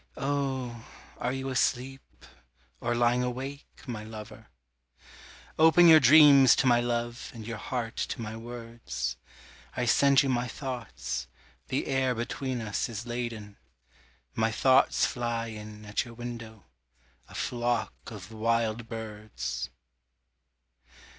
Oh are you asleep, or lying awake, my lover? Open your dreams to my love and your heart to my words, I send you my thoughts the air between us is laden, My thoughts fly in at your window, a flock of wild birds.